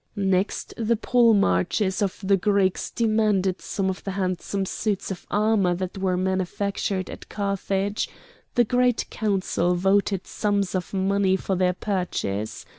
Next the polemarchs of the Greeks demanded some of the handsome suits of armour that were manufactured at Carthage; the Great Council voted sums of money for their purchase.